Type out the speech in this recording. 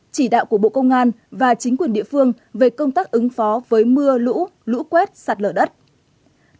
chỉ đạo của bộ công an và chính quyền địa phương về công tác ứng phó với mưa lũ lũ quét sạt lở đất